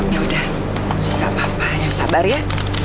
ya udah gak apa apa ya sabar ya